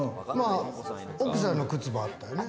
奥さんの靴もあったよね。